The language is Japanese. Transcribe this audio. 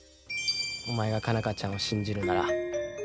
お前が佳奈花ちゃんを信じるなら俺も信じる。